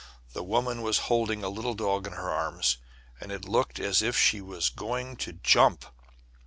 The woman was holding a little dog in her arms, and it looked as if she was going to jump.